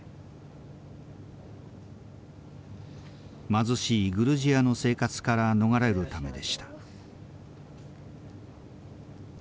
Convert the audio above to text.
貧しいグルジアの生活から逃れるためでした。